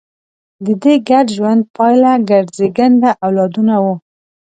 د دې ګډ ژوند پایله ګډ زېږنده اولادونه وو.